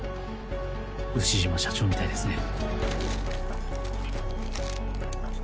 丑嶋社長みたいですね。